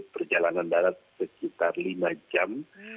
perjalanan darat sekitar lima jam